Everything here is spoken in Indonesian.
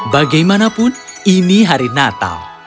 bagaimanapun ini hari natal